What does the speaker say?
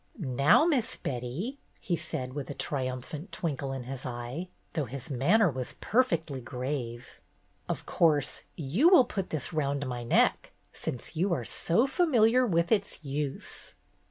"Now, Miss Betty," he said, with a trium phant twinkle in his eye, though his manner was perfectly grave, "of course you will put this round my neck, since you are so familiar with its use."